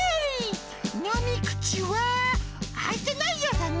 飲み口はあいてないようだな。